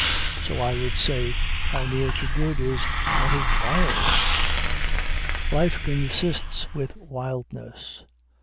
So I would say, How near to good is what is wild! Life consists with wildness.